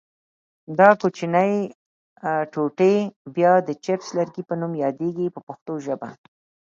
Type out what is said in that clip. دا کوچنۍ ټوټې بیا د چپس لرګي په نوم یادیږي په پښتو ژبه.